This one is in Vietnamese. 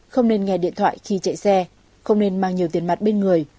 không nên nghe điện thoại khi chạy xe không nên mang nhiều tiền mặt bên người